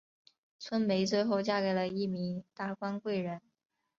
春梅最后嫁给了一名达官贵人。